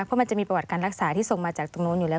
เพราะมันจะมีประวัติการรักษาที่ส่งมาจากตรงนู้นอยู่แล้ว